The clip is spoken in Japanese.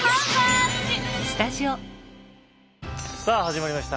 さあ始まりました。